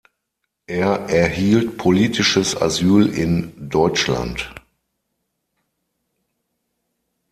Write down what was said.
Er erhielt politisches Asyl in Deutschland.